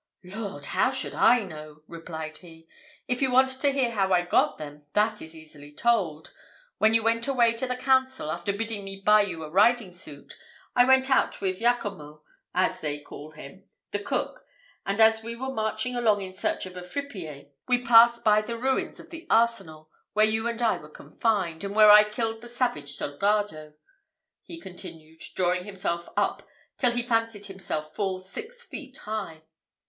"Lord! how should I know?" replied he. "If you want to hear how I got them, that is easily told. When you went away to the council, after bidding me buy you a riding suit, I went out with Jaccomo, as they call him, the cook; and as we were marching along in search of a fripier, we passed by the ruins of the arsenal, where you and I were confined, and where I killed the savage soldado," he continued, drawing himself up till he fancied himself full six feet high.